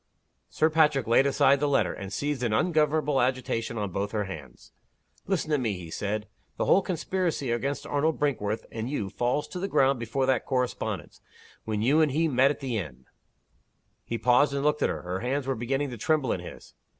Sir Patrick laid aside the letter, and seized in ungovernable agitation on both her hands. "Listen to me," he said. "The whole conspiracy against Arnold Brinkworth and you falls to the ground before that correspondence. When you and he met at the inn " He paused, and looked at her. Her hands were beginning to tremble in his.